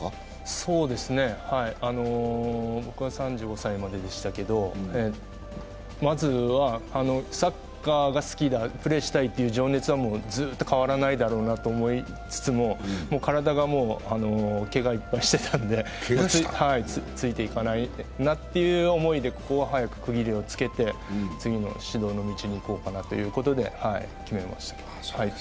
そうですね、僕は３５歳まででしたけど、まずはサッカーが好きだ、プレーしたいという情熱はずっと変わらないだろうなと思いつつももう体が、けがいっぱいしてたのでついていかないなという思いで、ここは早く区切りをつけて、次の指導の道に行こうかなということで決めました。